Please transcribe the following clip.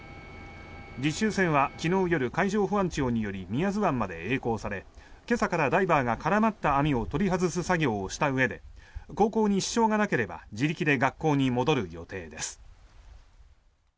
実習船は昨日夜海上保安庁により宮津湾までえい航され今朝からダイバーが絡まった網を取り外す作業をしたうえで航行に支障がなければ自力で学校に戻る予定です。